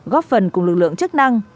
góp phần cùng lực lượng chức năng